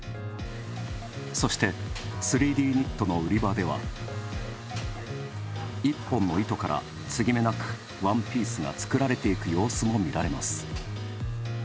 そして、３Ｄニットの売り場では１本の糸から継ぎ目なくワンピースが作られていく様子が見られます。